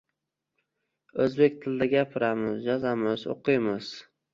O‘zbek tilida gapiramiz, yozamiz, o‘qiymiz.